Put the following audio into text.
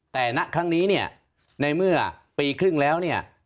แต่ณครั้งนี้ในเมื่อปีครึ่งแล้ว